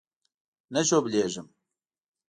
نه ژوبلېږم.